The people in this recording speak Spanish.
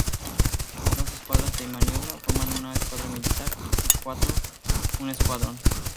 Dos escuadras de maniobra forman una escuadra militar, y cuatro un escuadrón.